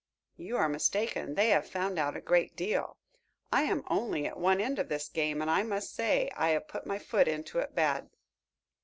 "You are mistaken, they have found out a great deal. I am only at one end of this game, and I must say I have put my foot into it bad."